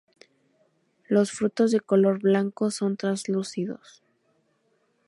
Los frutos de color blanco son translúcidos.